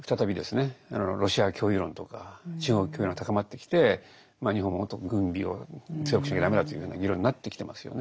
ロシア脅威論とか中国脅威論が高まってきて日本ももっと軍備を強くしなきゃダメだというふうな議論になってきてますよね。